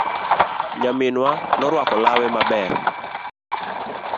Nyaminwa norwako lawe maber.